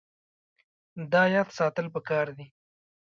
دا یاد ساتل پکار دي.